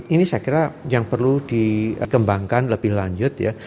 ini saya kira yang perlu dikembangkan lebih lanjut ya